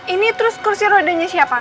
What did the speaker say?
ini terus kursi rodanya siapa